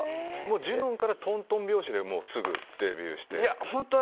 ジュノンからとんとん拍子でデビューして？